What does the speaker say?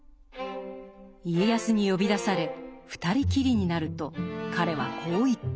家康に呼び出され２人きりになると彼はこう言った。